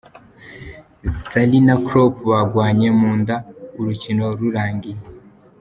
Sarri na Klopp bagwanye mu nda urukino rurangiye.